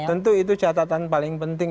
tentu itu catatan paling penting